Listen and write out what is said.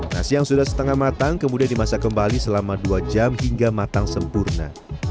nasi yang sudah setengah matang kemudian dimasak kembali selama dua jam hingga matang sempurna